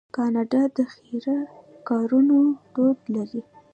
کاناډا د خیریه کارونو دود لري.